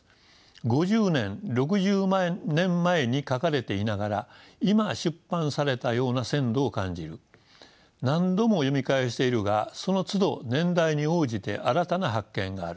「５０年６０年前に書かれていながら今出版されたような鮮度を感じる」「何度も読み返しているがそのつど年代に応じて新たな発見がある」